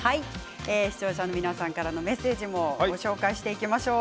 視聴者の皆さんからのメッセージもご紹介していきましょう。